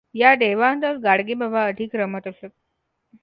या देवांतच गाडगेबाबा अधिक रमत असत.